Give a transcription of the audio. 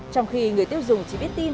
trong khi người tiêu dùng chỉ biết tin